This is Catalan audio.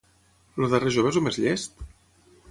El darrer jove és el més llest?